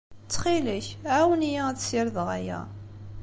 Ttxil-k, ɛawen-iyi ad ssidreɣ aya.